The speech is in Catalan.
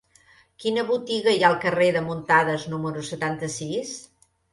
Quina botiga hi ha al carrer de Muntadas número setanta-sis?